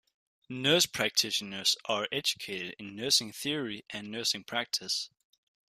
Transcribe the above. Nurse practitioners are educated in nursing theory and nursing practice.